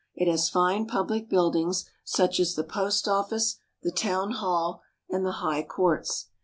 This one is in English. It has fine public build ings, such as the Post Office, the Town Hall, and the High Courts.